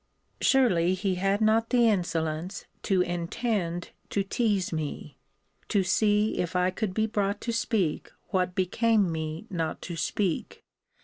Surely he had not the insolence to intend to tease me, to see if I could be brought to speak what became me not to speak.